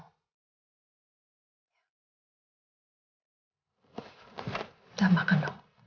kita makan dong